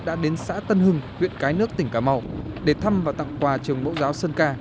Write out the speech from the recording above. đã đến xã tân hưng huyện cái nước tỉnh cà mau để thăm và tặng quà trường bộ giáo sơn ca